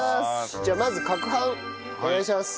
じゃあまず攪拌お願いします。